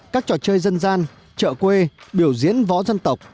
các trò chơi dân gian chợ quê biểu diễn võ dân tộc